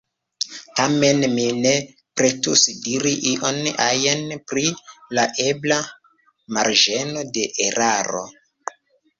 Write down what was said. Tamen mi ne pretus diri ion ajn pri la ebla “marĝeno de eraro”.